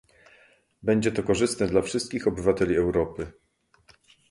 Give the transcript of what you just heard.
Będzie to korzystne da wszystkich obywateli Europy